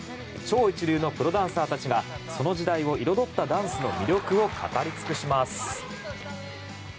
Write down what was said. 超一流のプロダンサーたちがその時代を彩ったダンスの魅力を語り尽くします。